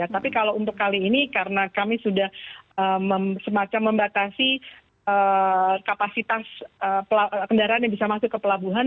tapi kalau untuk kali ini karena kami sudah semacam membatasi kapasitas kendaraan yang bisa masuk ke pelabuhan